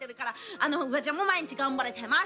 フワちゃんも毎日、頑張れてます。